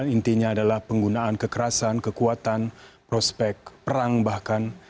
intinya adalah penggunaan kekerasan kekuatan prospek perang bahkan